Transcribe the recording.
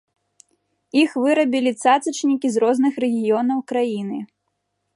Іх вырабілі цацачнікі з розных рэгіёнаў краіны.